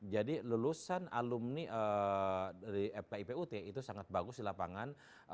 jadi lulusan alumni dari fkip ut itu sangat bagus di lapangan